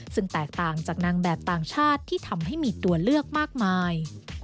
ซึ่งแตกต่างจากนางแบบต่างชาติที่ทำให้มีตัวเลือกมากมาย